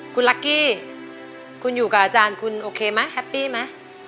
คุณลักกี้คุณอยู่กับอาจารย์คุณโอเคไหมแฮปปี้ไหม